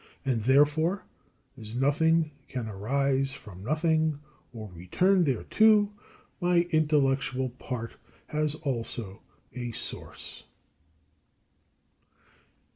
And therefore, as nothing can arise from nothing or return thereto, my intellectual part has also a source.